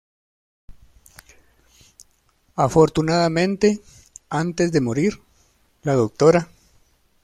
Afortunadamente, antes de morir, la Dra.